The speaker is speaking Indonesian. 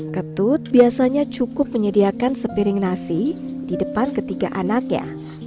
ketut biasanya cukup menyediakan sepiring nasi di depan ketiga anaknya